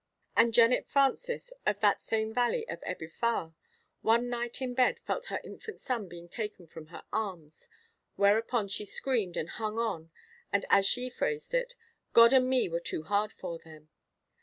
And Jennet Francis, of that same valley of Ebwy Fawr, one night in bed felt her infant son being taken from her arms; whereupon she screamed and hung on, and, as she phrased it, 'God and me were too hard for them.'